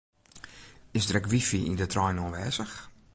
Is der ek wifi yn de trein oanwêzich?